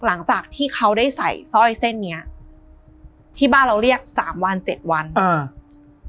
หลังจากที่เขาได้ใส่สร้อยเส้นเนี้ยที่บ้านเราเรียกสามวันเจ็ดวันอ่า